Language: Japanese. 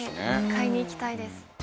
買いに行きたいです。